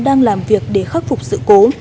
đang làm việc để khắc phục sự cố